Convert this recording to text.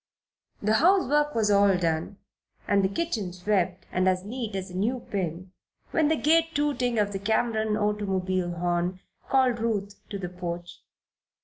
The housework was all done and the kitchen swept and as neat as a new pin when the gay tooting of the Cameron automobile horn called Ruth to the porch.